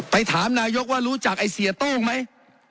ถามนายกว่ารู้จักไอ้เสียโต้งไหม